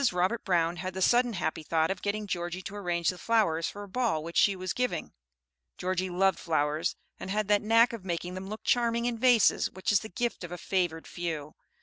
Robert Brown had the sudden happy thought of getting Georgie to arrange the flowers for a ball which she was giving. Georgie loved flowers, and had that knack of making them look charming in vases which is the gift of a favored few.